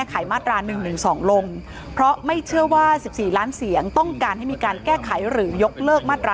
นี่นะนี่นะนี่นะนี่นะนี่นะนี่นะนี่นะนี่นะนี่นะนี่นะ